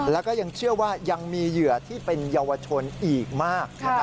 แล้วก็ยังเชื่อว่ายังมีเหยื่อที่เป็นเยาวชนอีกมาก